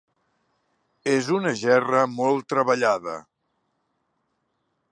És una gerra molt treballada.